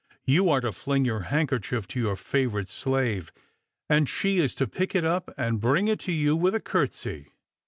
You are to fling your handkerchief to your favourite slave, and she is to pick it up and bring it to you with a curtsey."